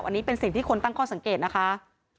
อันนี้เป็นสิ่งที่คนตั้งข้อสังเกตนะคะ